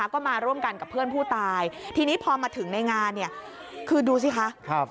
ก็มาร่วมกันกับเพื่อนผู้ตายทีนี้พอมาถึงในงานเนี่ยคือดูสิคะ